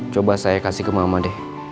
coba saya kasih ke mama deh